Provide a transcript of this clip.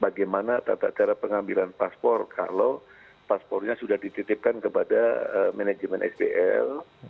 bagaimana tata cara pengambilan paspor kalau paspornya sudah dititipkan kepada manajemen sbl